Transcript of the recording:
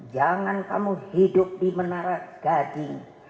jangan kamu hidup di menara gading